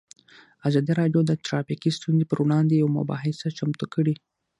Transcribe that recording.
ازادي راډیو د ټرافیکي ستونزې پر وړاندې یوه مباحثه چمتو کړې.